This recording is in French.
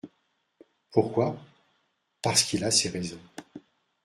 Pourquoi ? Parce qu'il a ses raisons.